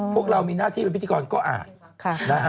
พวกเรามีหน้าที่เป็นพิธีกรก็อ่านนะฮะ